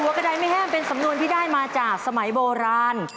กระดายไม่แห้งเป็นสำนวนที่ได้มาจากสมัยโบราณ